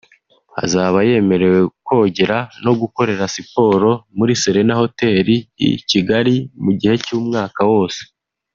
Azaba yemerewe kogera no gukorera siporo muri Serena Hotel i Kigali mu gihe cy’umwaka wose